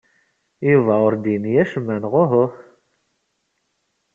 Yuba ur d-yenni acemma neɣ uhu?